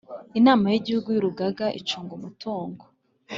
Inama y igihugu y urugaga icunga umutungo